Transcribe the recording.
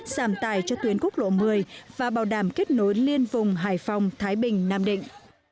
giảm tài cho tuyến quốc lộ một mươi và bảo đảm kết nối liên vùng hải phòng thái bình nam định